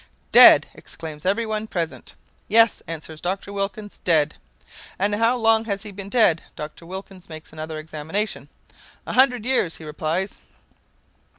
'Dead!' exclaims every one present. 'Yes,' answers Dr. Wilkins, 'dead!' 'And how long has he been dead?' Dr. Wilkins makes another examination. 'A hundred years,' he replies."